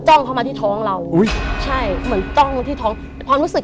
จ้องเพราะมาที่ท้องเราอุ้ยใช่เหมือนจ้องที่ท้องแต่ความรู้สึก